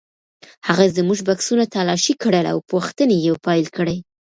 هغې زموږ بکسونه تالاشي کړل او پوښتنې یې پیل کړې.